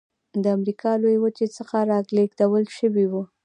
د امریکا لویې وچې څخه رالېږدول شوي وو.